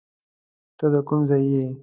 ته د کوم ځای یې؟